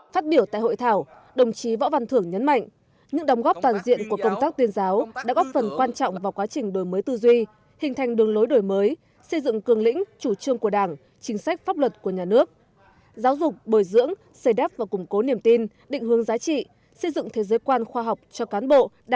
phát biểu tại hội thảo đồng chí võ văn thưởng nhấn mạnh những đồng góp toàn diện của công tác tuyên giáo đã góp phần quan trọng vào quá trình đổi mới tư duy hình thành đường lối đổi mới xây dựng cường lĩnh chủ trương của đảng chính sách pháp luật của nhà nước giáo dục bồi dưỡng xây đáp và củng cố niềm tin định hướng giá trị xây dựng thế giới quan khoa học cho cán bộ đảng viên